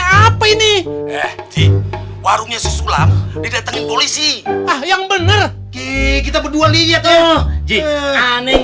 ini apa ini eh warungnya susulang didatengin polisi ah yang bener kita berdua lihat oh aneh